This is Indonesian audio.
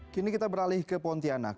kini kita beralih ke pontianak